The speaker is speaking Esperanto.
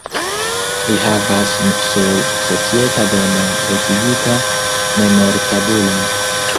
Li havas sur Societa domo lokigita memortabulon.